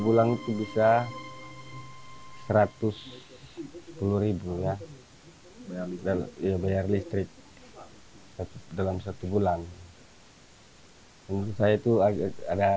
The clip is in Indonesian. bulan itu bisa satu ratus sepuluh ya bayar listrik dalam satu bulan menurut saya itu agak ada